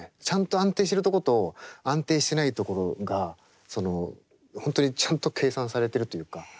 ちゃんと安定しているとこと安定してないところがその本当にちゃんと計算されてるというか。